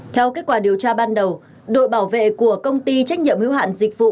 theo kết quả điều tra ban đầu đội bảo vệ của công ty trách nhiệm hiếu hạn dịch vụ